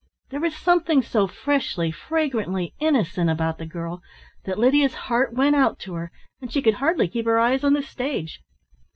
There was something so freshly, fragrantly innocent about the girl that Lydia's heart went out to her, and she could hardly keep her eyes on the stage.